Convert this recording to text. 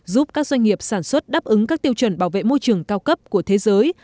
giúp các doanh nghiệp sản xuất đáp ứng các tiêu chuẩn bảo vệ môi trường cao cấp của thế giới